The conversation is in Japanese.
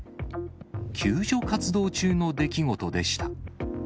救助活動中の出来事でした。